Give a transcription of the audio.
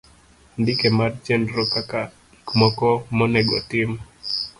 Andike mar chenro kaka gik moko monego otim.